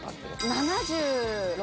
７６？